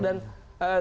dan jawa tengah